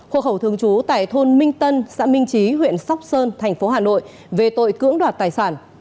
hộ khẩu thường trú tại thôn minh tân xã minh trí huyện sóc sơn thành phố hà nội về tội cưỡng đoạt tài sản